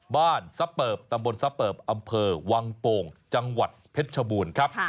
บ้านทรัพย์ตำบลทรัพย์อำเภอวังโป่งจังหวัดเพชรชบูรณ์ครับ